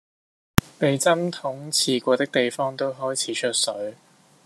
被針筒刺過的地方都開始出水